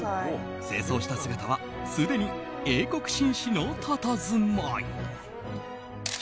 正装した姿はすでに英国紳士のたたずまい。